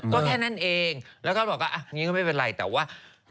ก็แค่นั้นเองแล้วก็บอกว่าอย่างนี้ก็ไม่เป็นไรแต่ว่า